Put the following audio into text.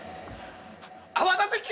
泡立て器！